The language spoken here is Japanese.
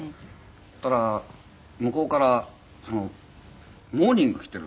そしたら向こうからモーニング着ている。